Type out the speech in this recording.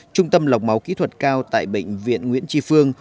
trung tâm lọc máu kỹ thuật cao tại bệnh viện nguyễn tri phương